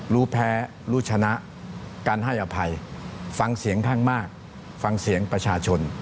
รู้แพ้รู้ชนะการให้อภัยฟังเสียงข้างมากฟังเสียงประชาชน